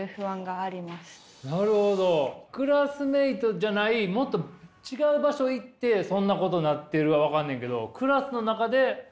クラスメイトじゃないもっと違う場所行ってそんなことなってるは分かんねんけどクラスの中で慎重になってるんだ？